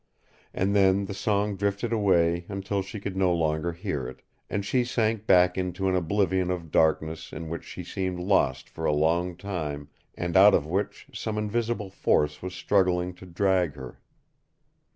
And then the song drifted away until she could no longer hear it, and she sank back into an oblivion of darkness in which she seemed lost for a long time, and out of which some invisible force was struggling to drag her.